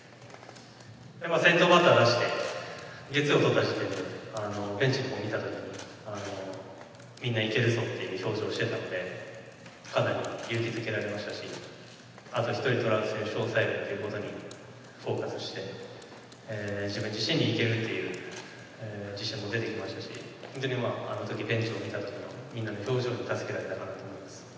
先頭バッター出して、ゲッツーを取った時点で、ベンチを見たときに、みんないけるぞっていう表情をしてたので、かなり勇気づけられましたし、あと１人、トラウト選手を抑えるということだけにフォーカスして、自分自身にいけるっていう自信が持ててきましたし、本当にまあ、ベンチを見たときのみんなの表情に助けられたかなと思います。